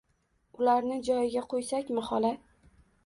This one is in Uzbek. Ularni joyiga qo’ysakmi, xola.